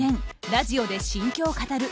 ラジオで心境語る。